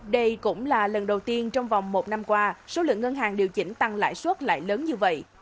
đây cũng là lần đầu tiên trong vòng một năm qua số lượng ngân hàng điều chỉnh tăng lãi suất lại lớn như vậy